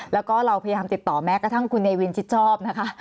แล้วก็เราพยายามติดต่อแม้กระทั่งคุณเนวินชิดชอบนะคะ